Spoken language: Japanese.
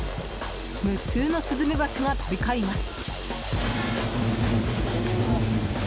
無数のスズメバチが飛び交います。